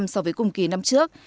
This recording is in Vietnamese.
so với cùng kỳ năm trước